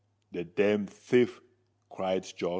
"The damned thief!" cried Josh.